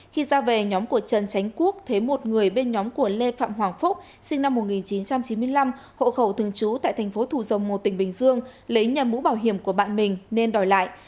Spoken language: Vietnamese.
khi ra về nhóm của trần tránh quốc thấy một người bên nhóm của lê phạm hoàng phúc sinh năm một nghìn chín trăm chín mươi năm hộ khẩu thường trú tại thành phố thủ dầu một tỉnh bình dương lấy nhờ mũ bảo hiểm của bạn mình nên đòi lại